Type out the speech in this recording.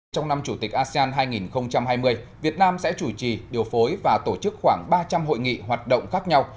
trong năm chủ tịch asean hai nghìn hai mươi việt nam sẽ chủ trì điều phối và tổ chức khoảng ba trăm linh hội nghị hoạt động khác nhau